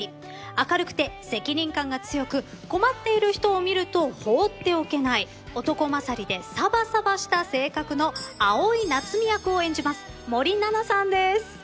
明るくて責任感が強く困っている人を見ると放っておけない男勝りでサバサバした性格の蒼井夏海役を演じます森七菜さんです。